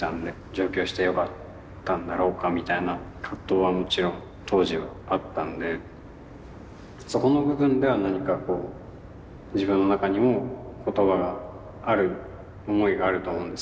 上京してよかったんだろうかみたいな葛藤はもちろん当時はあったんでそこの部分では何かこう自分の中にも言葉がある思いがあると思うんですけど。